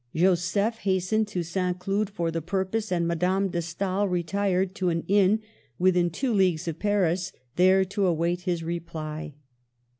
Joseph hastened to St. Cloud for the purpose, and Madame de Stael retired to an inn within two leagues of Paris, there to await his reply.